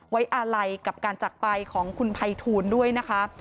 ไว้อะไลกับการจัดไปของคุณไพทูนด้วยนะครับ